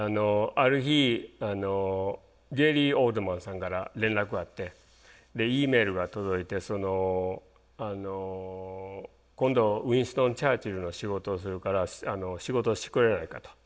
ある日ゲイリー・オールドマンさんから連絡があってＥメールが届いて「今度ウインストン・チャーチルの仕事をするから仕事をしてくれないか」と。